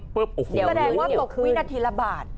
แปลงว่าตกวินาทีละบาท